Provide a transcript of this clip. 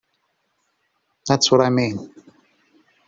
That's what I mean.